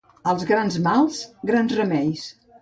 Als grans mals, grans remeis.